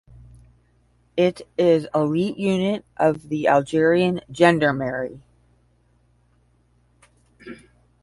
It is elite unit of the Algerian gendarmerie.